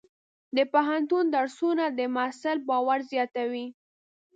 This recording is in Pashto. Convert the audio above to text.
د پوهنتون درسونه د محصل باور زیاتوي.